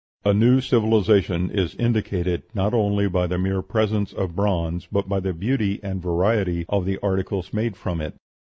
"A new civilization is indicated not only by the mere presence of bronze but by the beauty and variety of the articles made from it.